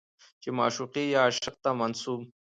چې معشوقې يا عاشق ته منسوب